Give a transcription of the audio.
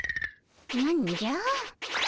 何じゃ？